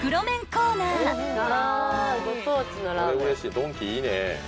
ドンキいいね。